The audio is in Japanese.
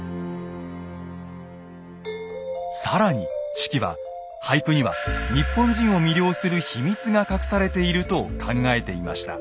更に子規は俳句には日本人を魅了する秘密が隠されていると考えていました。